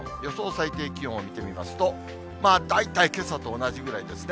最低気温を見てみますと、大体けさと同じぐらいですね。